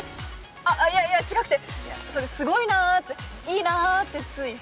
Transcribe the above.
あっいや違くてそれすごいなぁっていいなぁってつい。